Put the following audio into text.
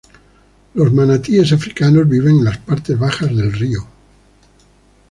Los manatíes africanos viven en las partes bajas del río.